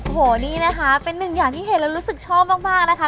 โอ้โหนี่นะคะเป็นหนึ่งอย่างที่เห็นแล้วรู้สึกชอบมากนะคะ